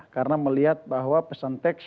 karena melihat bahwa pesan teks